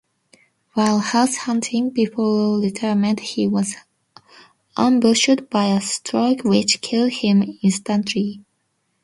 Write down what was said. While house-hunting before retirement he was 'ambushed by a stroke which killed him instantly'.